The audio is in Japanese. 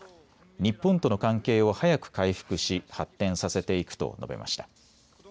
日本との関係を早く回復し発展させていくと述べました。